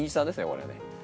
これはね。